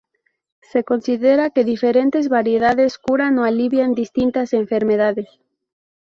Se considera que diferentes variedades curan o alivian distintas enfermedades.